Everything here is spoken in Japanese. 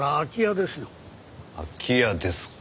空き家ですか。